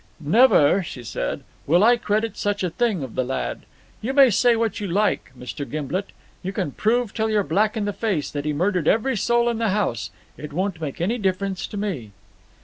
"Never," she said, "will I credit such a thing of the lad. You may say what you like, Mr. Gimblet, you can prove till you're black in the face that he murdered every soul in the house, it won't make any difference to me."